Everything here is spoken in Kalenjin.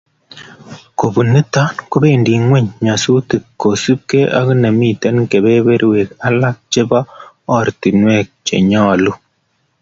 Kobun nitok kobendi ing'weny nyasutiik, kosupgei ako nemitei kebeberweek alak chebo oratinweek chenyolu